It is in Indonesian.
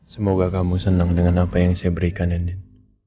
semoga kamu senang dengan apa yang saya berikan nenek